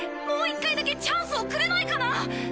もう１回だけチャンスをくれないかな？